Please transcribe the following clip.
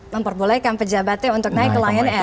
memperbolehkan pejabatnya untuk naik ke lion air